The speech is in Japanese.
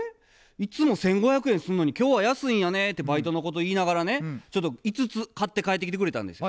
いつも１，５００円すんのに今日は安いんやね」ってバイトの子と言いながらね５つ買って帰ってきてくれたんですよ。